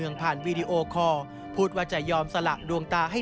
เป็นคนใหญ่ดีขนาดนี้